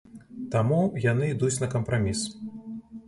Таму яны ідуць на кампраміс.